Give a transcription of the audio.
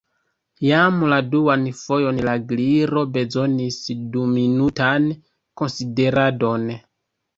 Jam la duan fojon la Gliro bezonis duminutan konsideradon.